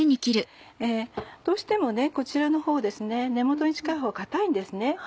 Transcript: どうしてもこちらのほう根元に近いほうは硬いんですね。